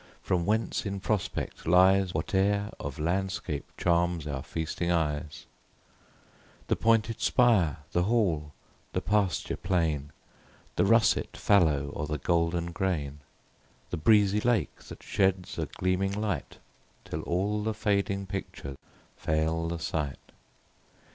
from whence in prospect lies Whate'er of landscape charms our feasting eyes'— The pointed spire, the hall, the pasture plain, The russet fallow, or the golden grain, The breezy lake that sheds a gleaming light, Till all the fading picture fail the sight.